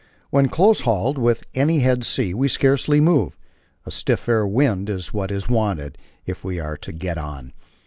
When close hauled with any head sea, we scarcely move; a stiff fair wind is what is wanted if we are to get on.